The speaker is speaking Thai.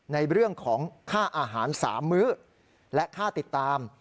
ในเรื่องของค่าอาหาร๓มื้อและค่าติดตาม